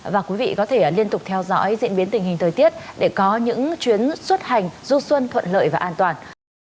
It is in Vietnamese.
và quý vị có thể liên tục theo dõi diễn biến tình hình thời tiết để có những chuyến xuất hành du xuân thuận lợi và an toàn